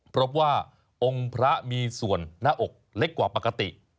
พบว่าองค์พระมีส่วนหน้าอกเล็กกว่าปกติ